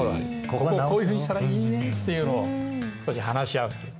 ここをこういうふうにしたらいいねっていうのを少し話し合う。